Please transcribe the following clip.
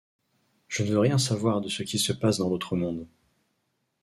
Je ne veux rien savoir de ce qui se passe dans l’autre monde.